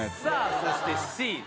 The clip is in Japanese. そしてＣ。